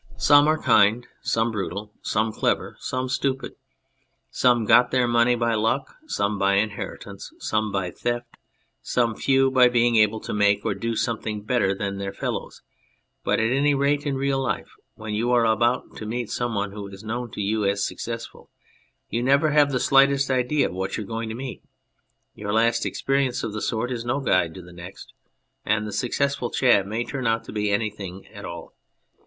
43 On Anything Some are kind, some brutal, some clever, some stupid, some got their money by luck, some by inheritance, some by theft, some few by being able to make or do something better than their fellows, but at any rate in real life, when you are about to meet someone who is known to you as "successful," you never have the slightest idea what you are going to meet, your last experience of the sort is no guide to the next, and the " successful " chap may turn out to be anything at all.